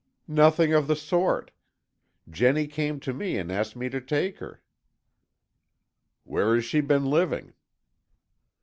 "Nothing of the sort! Jennie came to me and asked me to take her." "Where has she been living?"